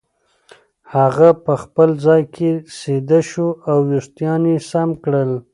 هغه په خپل ځای کې سیده شو او وېښتان یې سم کړل.